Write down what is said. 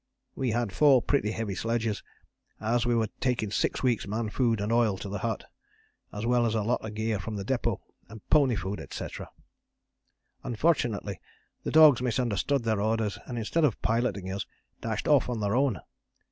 We had four pretty heavy sledges, as we were taking six weeks' man food and oil to the hut, as well as a lot of gear from the depôt, and pony food, etc. Unfortunately the dogs misunderstood their orders and, instead of piloting us, dashed off on their own.